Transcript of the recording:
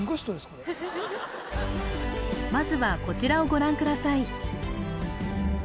これまずはこちらをご覧ください